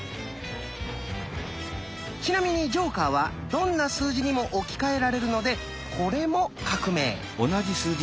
ちなみにジョーカーはどんな数字にも置き換えられるのでこれも「革命」。